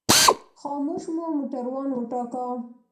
خاموش مو موټروان وټاکه.